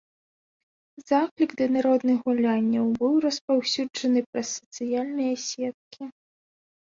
Заклік да народных гулянняў быў распаўсюджаны праз сацыяльныя сеткі.